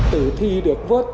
từ thi được vớt